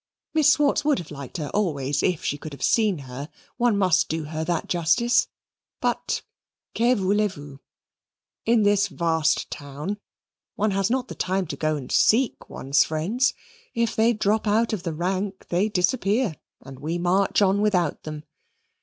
Miss Swartz would have liked her always if she could have seen her. One must do her that justice. But, que voulez vous? in this vast town one has not the time to go and seek one's friends; if they drop out of the rank they disappear, and we march on without them.